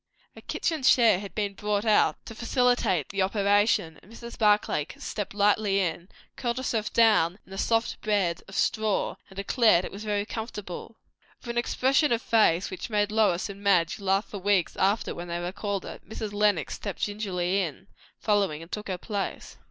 A kitchen chair had been brought out to facilitate the operation; and Mrs. Barclay stepped lightly in, curled herself down in the soft bed of straw, and declared that it was very comfortable. With an expression of face which made Lois and Madge laugh for weeks after when they recalled it, Mrs. Lenox stepped gingerly in, following, and took her place.